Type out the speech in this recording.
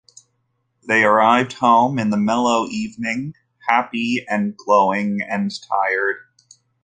They arrived home in the mellow evening, happy, and glowing, and tired.